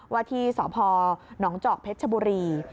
ว่าที่สพหนองจอกเพชรชบุรี